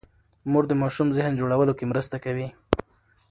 مور د ماشوم ذهن جوړولو کې مرسته کوي.